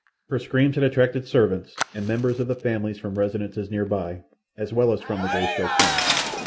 Her screams had attracted servants and members of the families from residences near by, as well as from the Greystoke home.